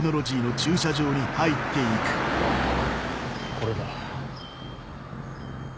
これだ。